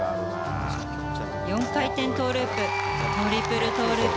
４回転トウループトリプルトウループ。